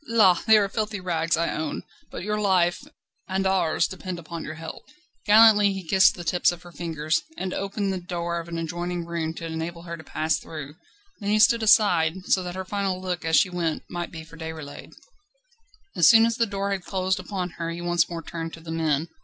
La! they are filthy rags, I own, but your life and and ours depend upon your help." Gallantly he kissed the tips of her fingers, and opened the door of an adjoining room to enable her to pass through; then he stood aside, so that her final look, as she went, might be for Déroulède. As soon as the door had closed upon her he once more turned to the men.